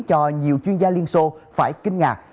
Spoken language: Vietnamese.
cho nhiều chuyên gia liên xô phải kinh ngạc